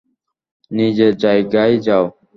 নিজের জায়গায় যাও।